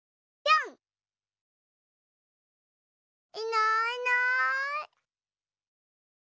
いないいない。